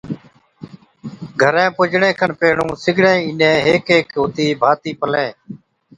گھرين پُجڻي کن پيهڻُون سِگڙين اِينڏين هيڪ هيڪ هُتِي ڀاتِي پلين۔